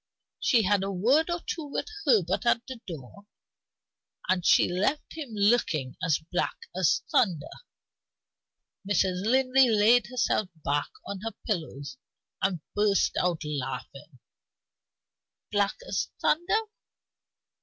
She had a word or two with Herbert at the door; and she left him looking as black as thunder." Mrs. Linley laid herself back on her pillows and burst out laughing. "Black as thunder?